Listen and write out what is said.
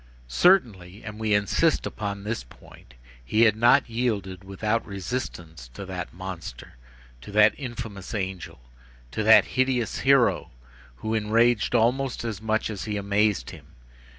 Certainly, and we insist upon this point, he had not yielded without resistance to that monster, to that infamous angel, to that hideous hero, who enraged almost as much as he amazed him.